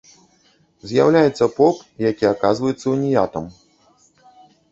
З'яўляецца поп, які аказваецца уніятам.